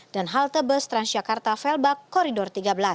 dan halte bus transjakarta felbak koridor tiga belas